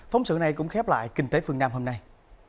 phóng sự này cũng khép lại kinh tế phương nam hôm nay